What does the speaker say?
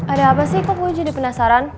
ada apa sih kok puji jadi penasaran